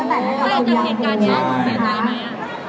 ในเหตุการณ์นี้หนูไม่ได้มา